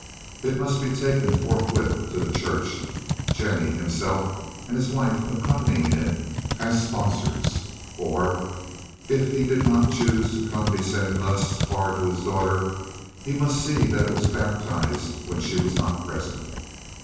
It must be taken, forthwith, to the church, Jennie, himself, and his wife accompanying it as sponsors; or, if he did not choose to condescend thus far to his daughter, he must see that it was baptized when she was not present.